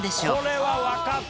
これは分かったわ。